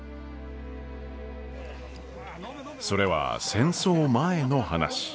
それは戦争前の話。